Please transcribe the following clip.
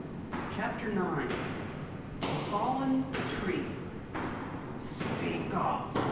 CHAPTER 9 A FALLEN TREE "Speak up!"